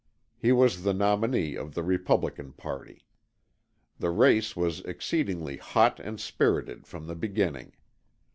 He was the nominee of the Republican party. The race was exceedingly hot and spirited from the beginning.